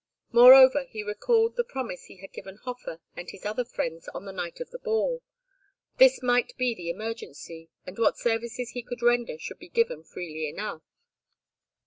Moreover, he recalled the promise he had given Hofer and his other friends on the night of the ball: this might be the emergency, and what services he could render should be given freely enough.